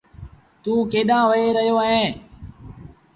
توٚنٚ ڪيڏآݩهݩ وهي رهيو اهينٚ؟